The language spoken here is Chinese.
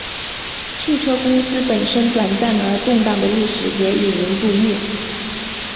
汽车公司本身短暂而动荡的历史也引人注目。